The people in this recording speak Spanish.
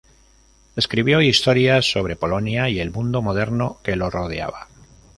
Escribió historias sobre Polonia y el mundo moderno que lo rodeaba.